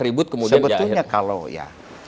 ribut kemudian betul kalau ya